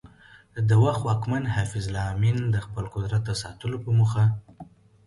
د وخت واکمن حفیظ الله امین د خپل قدرت د ساتلو په موخه